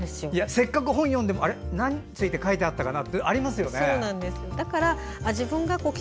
せっかく本を読んでも何について書いてあったかなってありますよね。